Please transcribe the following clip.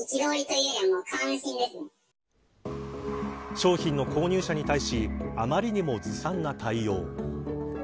商品の購入者に対しあまりにもずさんな対応。